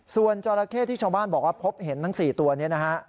ส่วนจราเข้ที่ชาวบ้านบอกว่าพบเห็นทั้ง๔ตัวนี้นะฮะ